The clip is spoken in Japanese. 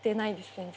全然。